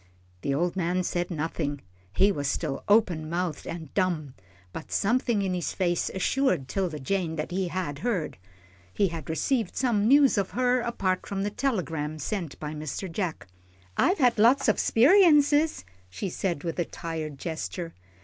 The old man said nothing. He was still open mouthed and dumb, but something in his face assured 'Tilda Jane that he had heard he had received some news of her, apart from the telegram sent by Mr. Jack. "I've had lots o' speriences," she said, with a tired gesture.